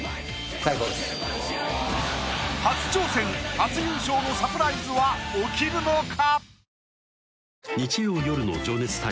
初挑戦初優勝のサプライズは起きるのか？